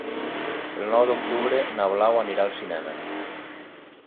El nou d'octubre na Blau anirà al cinema.